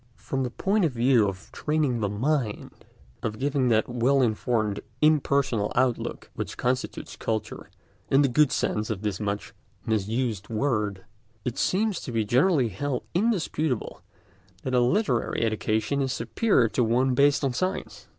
From the point of view of training the mind, of giving that well informed, impersonal outlook which constitutes culture in the good sense of this much misused word, it seems to be generally held indisputable that a literary education is superior to one based on science.